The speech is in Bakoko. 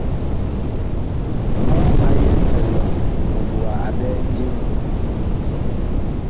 Muŋ a yeŋ elɔŋ mut wa a ɓɛɛ ndim.